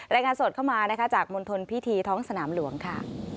รายงานสดเข้ามานะคะจากมณฑลพิธีท้องสนามหลวงค่ะ